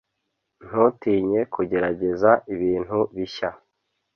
Ntutinye kugerageza ibintu bishya